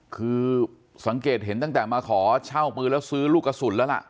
คือสังเกตเห็นตั้งแต่มาขอเช่าปืนแล้วซื้อลูกกระสุนแล้วล่ะ